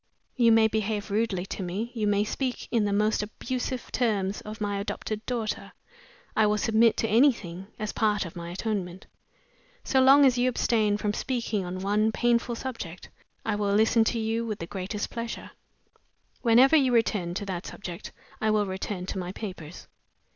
You may behave rudely to me, you may speak in the most abusive terms of my adopted daughter; I will submit to anything, as part of my atonement. So long as you abstain from speaking on one painful subject, I will listen to you with the greatest pleasure. Whenever you return to that subject I shall return to my papers."